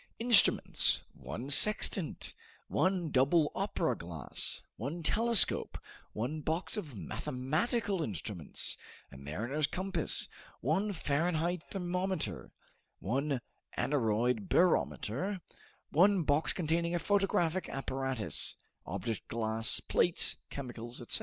Instruments: 1 sextant, 1 double opera glass, 1 telescope, 1 box of mathematical instruments, 1 mariner's compass, 1 Fahrenheit thermometer, 1 aneroid barometer, 1 box containing a photographic apparatus, object glass, plates, chemicals, etc.